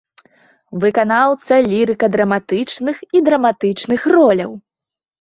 Выканаўца лірыка-драматычных і драматычных роляў.